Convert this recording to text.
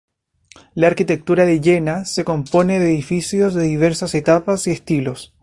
La arquitectura de Jena se compone de edificios de diversas etapas y estilos.